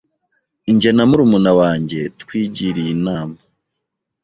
njye na murumuna wanjye twigiriye inma